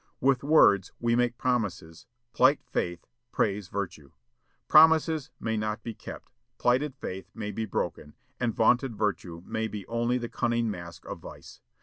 With words, we make promises, plight faith, praise virtue. Promises may not be kept; plighted faith may be broken; and vaunted virtue may be only the cunning mask of vice.